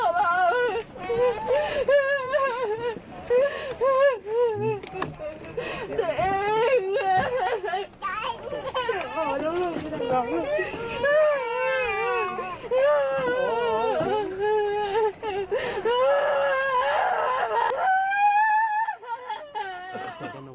ก็เชื่อหลักคนอื่นก็ได้เชื่อหลักคนชอบมึง